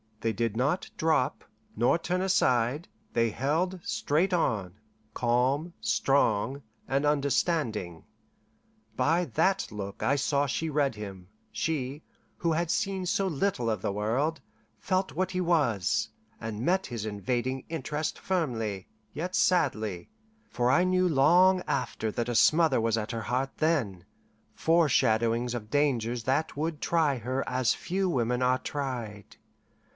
They did not drop, nor turn aside; they held straight on, calm, strong and understanding. By that look I saw she read him; she, who had seen so little of the world, felt what he was, and met his invading interest firmly, yet sadly; for I knew long after that a smother was at her heart then, foreshadowings of dangers that would try her as few women are tried.